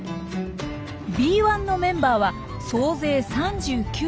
Ｂ１のメンバーは総勢３９匹。